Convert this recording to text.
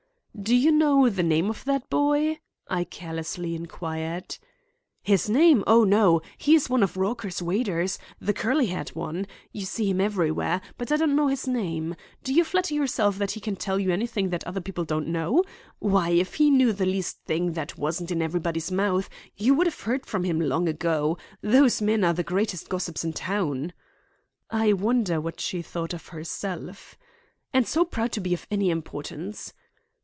"Do you know the name of that boy?" I carelessly inquired. "His name? O no. He is one of Raucher's waiters; the curly haired one. You see him everywhere; but I don't know his name. Do you flatter yourself that he can tell you anything that other people don't know? Why, if he knew the least thing that wasn't in everybody's mouth, you would have heard from him long ago. Those men are the greatest gossips in town"—I wonder what she thought of herself,—"and so proud to be of any importance."